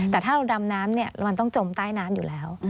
แต่ถ้าเราดำน้ำมันต้องจมใต้น้ำอยู่แล้ว